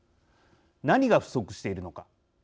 何が不足しているのか。